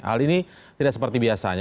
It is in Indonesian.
hal ini tidak seperti biasanya